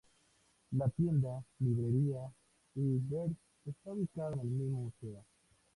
La Tienda-Librería L’Iber está ubicada en el mismo museo.